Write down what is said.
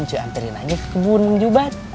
cuy ampirin aja ke kebun manjubat